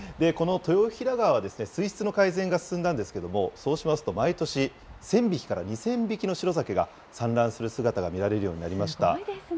この豊平川は、水質の改善が進んだんですけれども、そうしますと、毎年１０００匹から２０００匹のシロザケが産卵する姿が見られるようになりました。